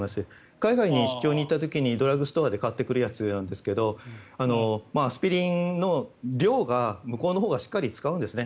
海外に出張に行った時にドラッグストアで買ってくるやつなんですがアスピリンの量が向こうのほうがしっかり使うんですね。